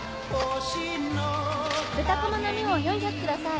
豚コマ並を４００ください。